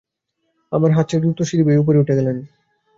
আমার হাত ছেড়ে দ্রুত সিঁড়ি বেয়ে ওপরে উঠে গেলেন।